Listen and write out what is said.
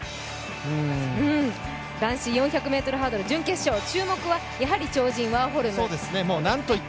男子４００ｍハードル準決勝、注目はやはり超人ワーホルム。